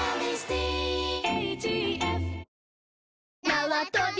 なわとび